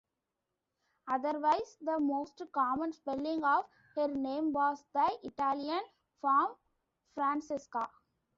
Otherwise, the most common spelling of her name was the Italian form, Francesca.